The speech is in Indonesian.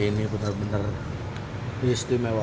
ini benar benar istimewa